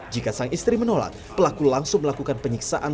jika sang istri menolak pelaku langsung melakukan penyiksaan